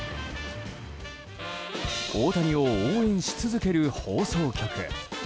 大谷を応援し続ける放送局。